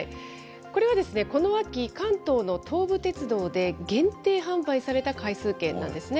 これはこの秋、関東の東武鉄道で限定販売された回数券なんですね。